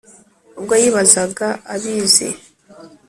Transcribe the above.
ubwo yibazaga abizi,